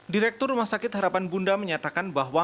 direktur rumah sakit harapan bunda menyatakan bahwa